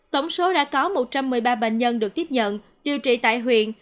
tổng số đã có một trăm một mươi ba bệnh nhân được tiếp nhận điều trị tại huyện